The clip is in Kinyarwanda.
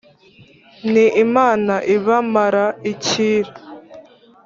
ni imana ibamara icyira.